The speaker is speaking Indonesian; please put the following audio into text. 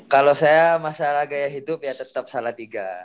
kalau saya masalah gaya hidup ya tetap salah tiga